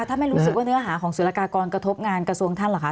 ถ้าไม่รู้สึกว่าเนื้อหาของสุรกากรกระทบงานกระทรวงท่านเหรอคะ